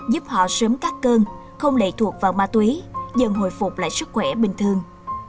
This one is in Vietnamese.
giúp họ sớm cắt cơn không lệ thuộc vào ma túy dần hồi phục lại sức khỏe bình thường